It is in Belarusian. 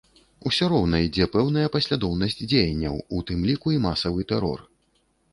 Усё роўна ідзе пэўная паслядоўнасць дзеянняў, у тым ліку і масавы тэрор.